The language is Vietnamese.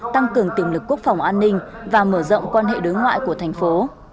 tăng cường tiềm lực quốc phòng an ninh và mở rộng quan hệ đối ngoại của thành phố